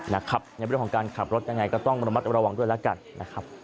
ในเรื่องของการขับรถยังไงก็ต้องระมัดระวังด้วยแล้วกันนะครับ